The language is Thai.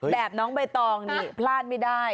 แบบน้องใบตองนี่พลาดไม่ได้